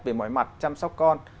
về mọi mặt chăm sóc con